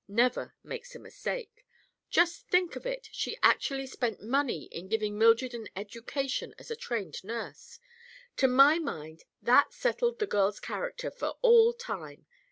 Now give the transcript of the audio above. —never makes a mistake. Just think of it: she actually spent money in giving Mildred an education as a trained nurse. To my mind that settled the girl's character for all time.